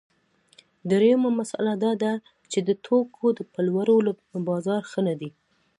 درېیمه مسئله دا ده چې د توکو د پلورلو بازار ښه نه دی